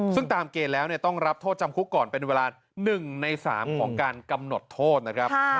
ซึ่งตามเกณฑ์แล้วต้องรับโทษจำคุกก่อนเป็นเวลา๑ใน๓ของการกำหนดโทษนะครับ